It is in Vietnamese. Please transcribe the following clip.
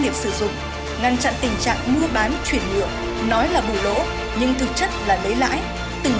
nghiệp sử dụng ngăn chặn tình trạng mua bán chuyển nhượng nói là bù lỗ nhưng thực chất là lấy lãi từng